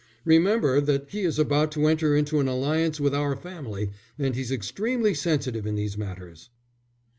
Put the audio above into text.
"Remember that he is about to enter into an alliance with our family, and he's extremely sensitive in these matters."